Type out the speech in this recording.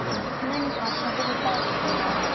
何かしゃべりたいことがあれば。